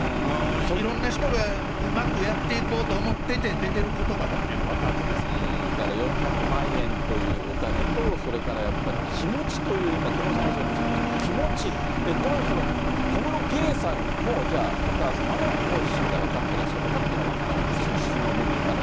いろんな人がうまくやっていこうと思ってて、出てることばだとい４００万円というお金と、それからやっぱり気持ちという、今、久能さんがおっしゃりました気持ち、これは小室圭さんも、じゃあ、お母様の本心が分かってらっしゃるのかっていうのは分からないし、真の部分はね。